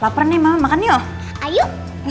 laper nih mama makan yuk